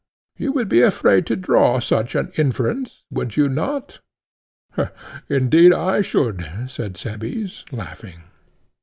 You would be afraid to draw such an inference, would you not? Indeed, I should, said Cebes, laughing.